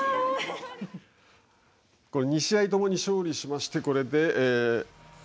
２試合共に勝利しましてこれで。